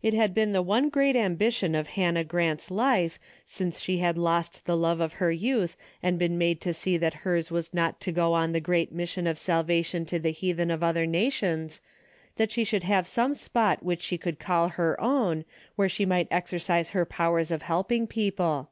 It had been the one great ambition of Han nah Grant's life, since she had lost the love of DAILY BATE.'^ 173 her youth, and been made to see that hers was not to go on the great mission of salvation to the heathen of other nations, that she should have some spot which she could call her own, where she might exercise her powers of help ing people.